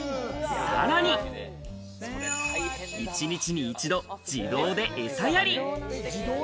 さらに、１日に一度、自動で餌やり。